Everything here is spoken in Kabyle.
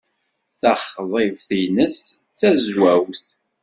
Taxḍibt-nnes d tazwawt.